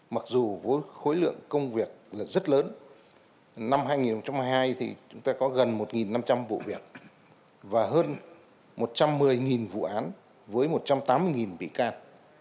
mặc dù với khối lượng công việc là rất lớn năm hai nghìn hai mươi hai thì chúng ta có gần một năm trăm linh vụ việc và hơn một trăm một mươi vụ án với một trăm tám mươi bị can